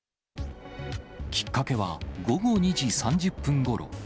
きっかけは午後２時３０分ごろ。